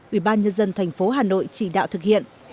ubnd tp hà nội chỉ đạo thực hiện